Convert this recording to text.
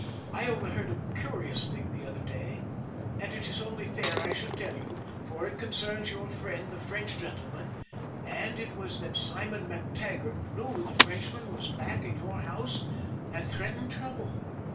I overheard a curious thing the other day, it is only fair I should tell you, for it concerns your friend the French gentleman, and it was that Simon MacTaggart knew the Frenchman was back in your house and threatened trouble.